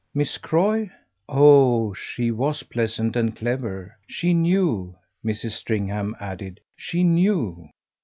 "Miss Croy? Oh she was pleasant and clever. She knew," Mrs. Stringham added. "She knew."